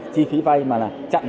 chi phí vay mà là chặn